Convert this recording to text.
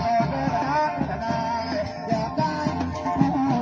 สวัสดีครับทุกคน